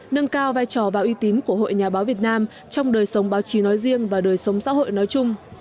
nâng cao vai trò và uy tín của hội nhà báo việt nam trong đời sống báo chí nói riêng và đời sống xã hội nói chung